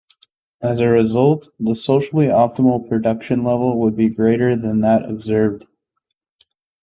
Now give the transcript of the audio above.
As a result, the socially optimal production level would be greater than that observed.